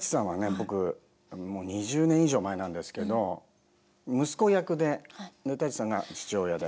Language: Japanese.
僕もう２０年以上前なんですけど息子役でで舘さんが父親で。